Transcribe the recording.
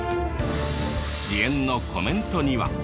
支援のコメントには。